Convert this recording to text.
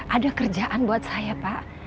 ada kerjaan buat saya pak